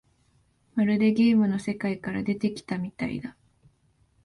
まるでゲームの世界から出てきたみたいだ